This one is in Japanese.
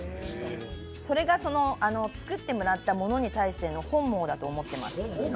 それが作ってもらったものに対しての本望だと思います。